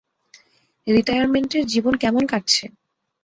রিটায়ারমেন্টের জীবন কেমন কাটছে?